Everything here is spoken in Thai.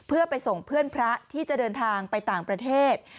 เพื่อไปส่งเพื่อนพระที่จะเดินทางไปต่างประเทศ